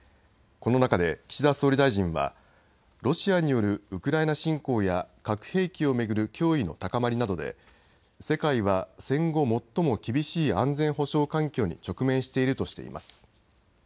この中で岸田総理大臣はロシアによるウクライナ侵攻や核兵器を巡る脅威の高まりなどで世界は戦後最も厳しい安全保障環境に直面しているとしています。